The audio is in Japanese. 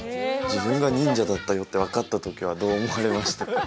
自分が忍者だったよって分かったときはどう思われました？